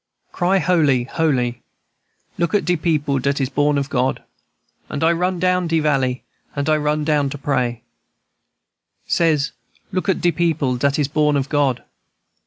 "Cry holy, holy! Look at de people dat is born of God. And I run down de valley, and I run down to pray, Says, look at de people dat is born of God.